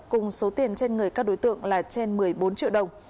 cùng số tiền trên người các đối tượng là trên một mươi bốn triệu đồng